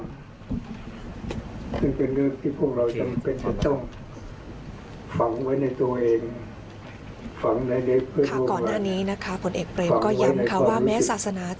ซึ่งเป็นเรื่องที่พวกเราจำเป็นจะต้องฝังไว้ในตัวเอง